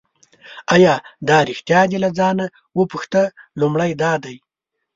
آیا دا ریښتیا دي له ځانه وپوښته لومړی دا دی.